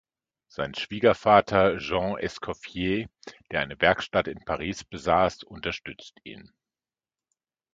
Sein Schwiegervater Jean Escoffier, der eine Werkstatt in Paris besaß, unterstützt ihn.